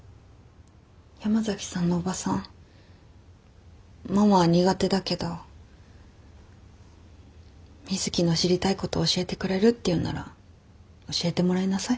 山崎さんのおばさんママは苦手だけどみづきの知りたいことを教えてくれるっていうんなら教えてもらいなさい。